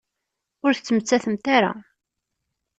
Ur tettmettatemt ara.